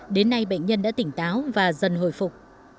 đến nay bệnh nhân đã tỉnh táo và dần hồi phục